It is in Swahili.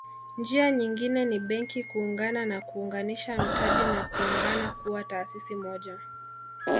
Njia nyingine ni Benki kuungana na kuunganisha mtaji na kuungana kuwa taasisi moja